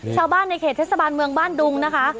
ชาวบ้านในเขตเทศบาลเมืองบ้านดุงนะคะ